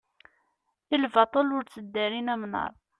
i lbaṭel ur tteddarin amnaṛ